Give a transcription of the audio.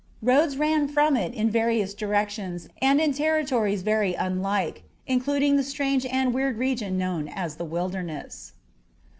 Roads ran from it in various directions and in territories very unlike, including the strange and weird region known as the Wilderness.